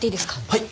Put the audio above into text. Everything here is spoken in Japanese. はい。